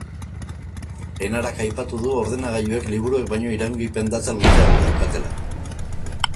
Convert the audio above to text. Enarak aipatu du ordenagailuek liburuek baino iraungipen data luzeagoa daukatela.